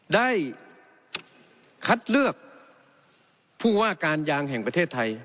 ได้คัดเลือกผู้ว่าการยางแห่งประเทศไทย